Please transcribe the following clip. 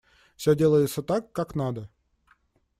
Все делается так, как надо.